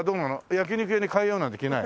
焼肉屋に変えようなんて気ない？